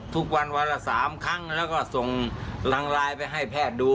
ทุกวันวันละ๓ครั้งแล้วก็ส่งรังไลน์ไปให้แพทย์ดู